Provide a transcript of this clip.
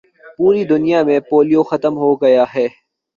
پوری دنیا میں پولیو ختم ہو گیا ہے